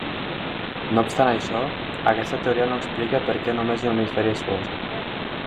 No obstant això, aquesta teoria no explica per què només un hemisferi és fosc.